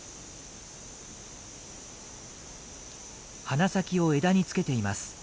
鼻先を枝につけています。